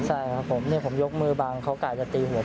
ใช่ครับผมเนี่ยผมยกมือบังเขากะจะตีหัว